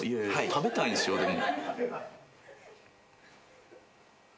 食べたいんすよでも。